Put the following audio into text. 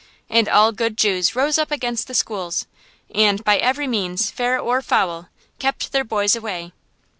And all good Jews rose up against the schools, and by every means, fair or foul, kept their boys away.